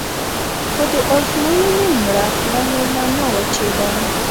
خو د ازموینې مړه خوله مې لا نه وچېده.